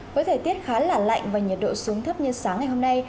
với thời tiết khá là lạnh và nhiệt độ xuống thấp như sáng ngày hôm nay